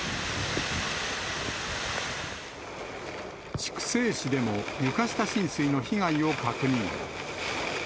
筑西市でも、床下浸水の被害を確認。